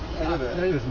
大丈夫です。